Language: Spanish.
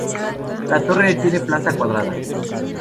La torre tiene planta cuadrada.